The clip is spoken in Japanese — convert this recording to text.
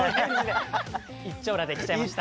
一張羅で来ちゃいました。